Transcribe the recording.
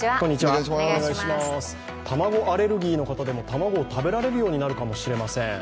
卵アレルギーの方でも卵を食べられるようになるかもしれません。